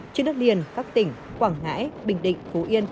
trên đất liền các tỉnh quảng ngãi bình định phú yên